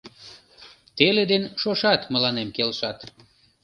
— Теле ден шошат мыланем келшат.